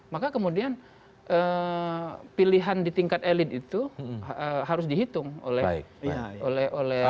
maka kemudian pilihan di tingkat elit itu harus dihitung oleh